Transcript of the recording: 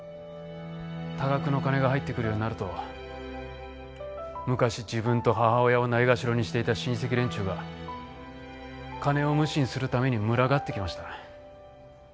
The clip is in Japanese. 多額の金が入ってくるようになると昔自分と母親をないがしろにしていた親戚連中が金を無心するために群がってきました。